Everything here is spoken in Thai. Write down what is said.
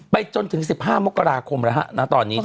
จนถึง๑๕มกราคมแล้วฮะณตอนนี้